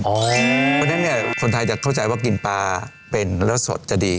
เพราะฉะนั้นเนี่ยคนไทยจะเข้าใจว่ากินปลาเป็นแล้วสดจะดี